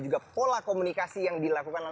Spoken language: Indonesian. jadi kita mulai